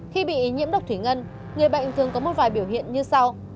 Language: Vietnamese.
khi bị nhiễm độc thủy ngân người bệnh thường có một vài biểu hiện như sau